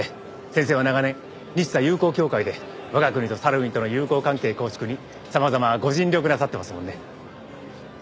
先生は長年日サ友好協会で我が国とサルウィンとの友好関係構築に様々ご尽力なさってますもんね。